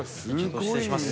失礼します。